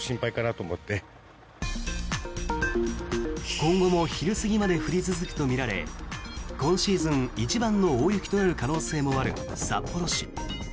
今後も昼過ぎまで降り続くとみられ今シーズン一番の大雪となる可能性もある札幌市。